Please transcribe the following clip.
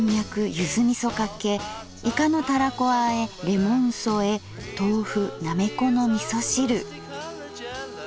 ゆずみそかけいかのたらこ和へレモンそえ豆腐なめこの味噌汁」。